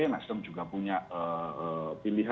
nasdem juga punya pilihan